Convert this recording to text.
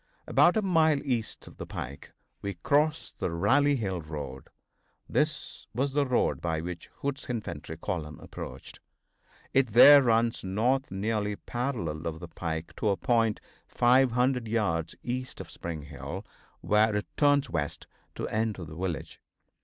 About a mile east of the pike we crossed the Rally Hill road. This was the road by which Hood's infantry column approached. It there runs north nearly parallel with the pike to a point 500 yards east of Spring Hill, where it turns west to enter the village.